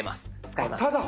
使えます。